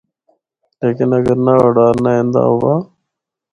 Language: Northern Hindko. لیکن اگر نہ اُڈارنا ایندا ہوا۔